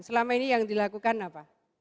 selama ini yang dilakukan apa